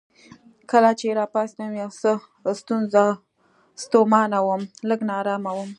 کله چې راپاڅېدم یو څه ستومانه وم، لږ نا ارامه وم.